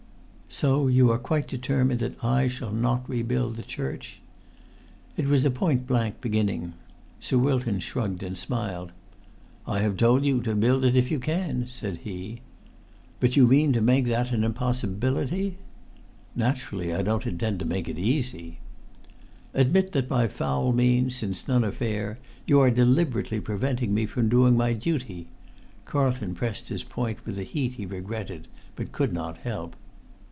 "So you are quite determined that I shall not rebuild the church?" It was a point blank beginning. Sir Wilton shrugged and smiled. "I have told you to build it if you can," said he. "But you mean to make that an impossibility?" "Naturally I don't intend to make it easy." "Admit that by foul means, since none are fair, you are deliberately preventing me from doing my duty!"[Pg 110] Carlton pressed his point with a heat he regretted, but could not help.